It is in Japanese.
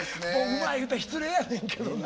うまい言うたら失礼やねんけどな。